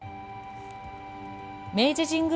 明治神宮